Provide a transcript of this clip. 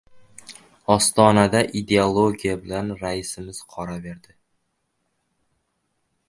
Ostonada Ideologiya bilan raisimiz qora berdi.